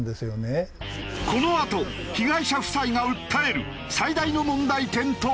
このあと被害者夫妻が訴える最大の問題点とは？